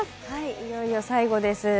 いよいよ最後です。